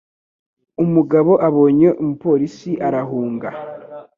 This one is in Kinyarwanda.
Umugabo abonye umupolisi, arahunga.